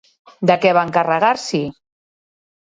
De què va encarregar-s'hi?